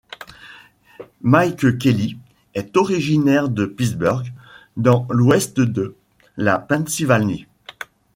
Mike Kelly est originaire de Pittsburgh, dans l'ouest de la Pennsylvanie.